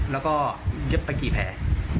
แล้วก็เย็บไปกี่แผล